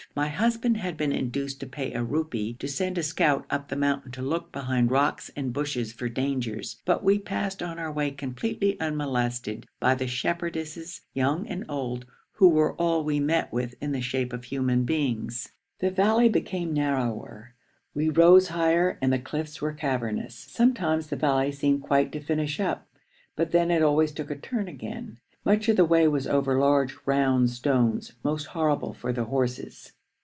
My husband had been induced to pay a rupee to send a scout up the mountain to look behind rocks and bushes for dangers, but we passed on our way completely unmolested by the shepherdesses, young and old, who were all we met with in the shape of human beings. The valley became narrower, we rose higher, and the cliffs were cavernous. Sometimes the valley seemed quite to finish up, but then it always took a turn again. Much of the way was over large, round stones, most horrible for the horses.